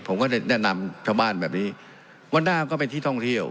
ผมก็ได้แนะนำชาวบ้านแบบนี้วันหน้ามันก็เป็นที่ท่องเที่ยว